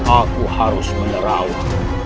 aku harus menyerawai